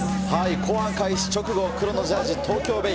後半開始直後、黒のジャージ、東京ベイ。